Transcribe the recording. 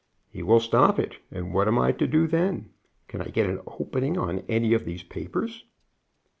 "He will stop it, and what am I to do then? Can I get an opening on any of these papers?"